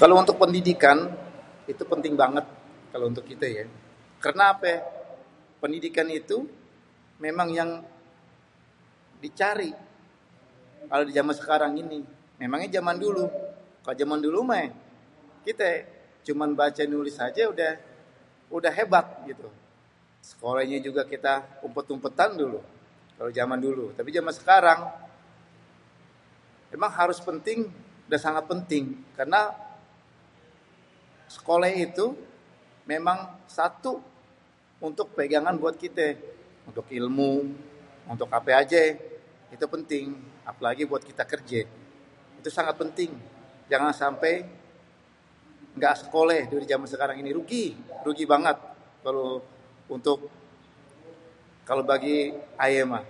Kalau untuk pendidikan itu penting banget kalau untuk kité yé. kérna apé ? Pendidikan itu memang yang dicari kalau di zaman sekarang ini. Memangnya zaman dulu? Kalau zaman dulu mah kité cuman baca nulis ajé udéh hebat gitu sekolehnyé juga kita umpét-umpétan dulu kalau zaman dulu. Tapi kalau zaman sekarang? Emang harus penting dan sangat penting karena sekoléh itu memang satu untuk pegangan buat kité nuntut ilmu untuk apé ajé itu penting apalagi buat kité kerjé itu sangat penting jangan sampé éngga sekolê di zaman sekarang ini rugi, rugi banget kalo untuk kalau bagi ayé méh.